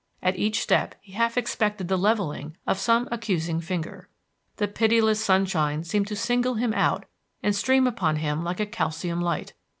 At each step he half expected the leveling of some accusing finger. The pitiless sunshine seemed to single him out and stream upon him like a calcium light.